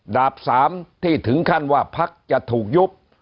ดาบ๓ที่ถึงขั้นว่าพักจะถูกยุบ